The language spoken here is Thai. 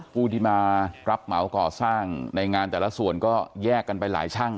ผู้ที่มารับเหมาก่อสร้างในงานแต่ละส่วนก็แยกกันไปหลายช่าง